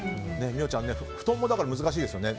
美桜ちゃん布団も難しいですよね。